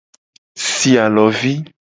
Si alovi.